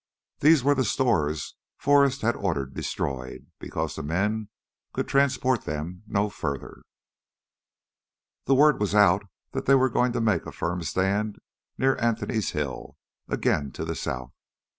These were the stores Forrest had ordered destroyed because the men could transport them no further. The word was out that they were going to make a firm stand near Anthony's Hill, again to the south.